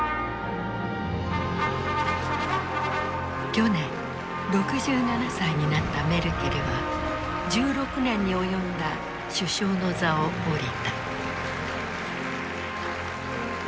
去年６７歳になったメルケルは１６年に及んだ首相の座を降りた。